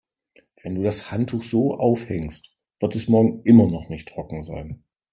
Wenn du das Handtuch so aufhängst, wird es morgen immer noch nicht trocken sein.